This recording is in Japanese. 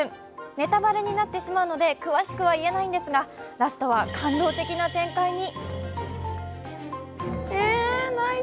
ネタバレになってしまうので詳しくは言えないんですがラストは感動的な展開に。